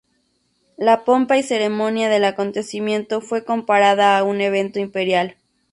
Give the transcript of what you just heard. La pompa y ceremonia del acontecimiento fue comparada a un evento imperial.